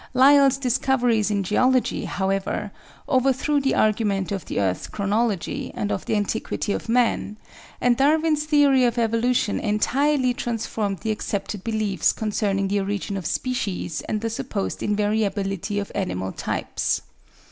Lyell's discoveries in geology, however, overthrew the argument of the earth's chronology and of the antiquity of man, and Darwin's theory of evolution entirely transformed the accepted beliefs concerning the origin of species and the supposed invariability of animal types.